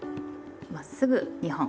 まっすぐ２本。